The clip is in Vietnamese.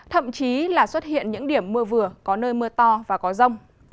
thậm chí là xuất hiện những điểm mưa vừa có nơi mưa to và có rông